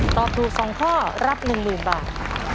ตอบถูก๒ข้อรับ๑๐๐๐บาท